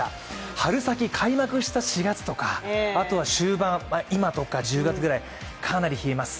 春先開幕した４月とかあと終盤、今とか１０月ぐらい、かなり冷えます。